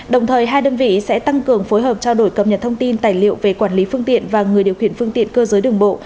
đồng thời hai đơn vị sẽ tăng cường phối hợp trao đổi cập nhật thông tin tài liệu về quản lý phương tiện và người điều khiển phương tiện cơ giới đường bộ